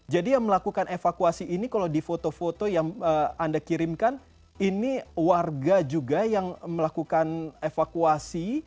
jadi yang melakukan evakuasi ini kalau di foto foto yang anda kirimkan ini warga juga yang melakukan evakuasi